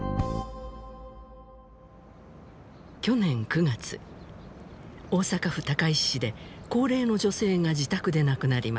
去年９月大阪府高石市で高齢の女性が自宅で亡くなりました。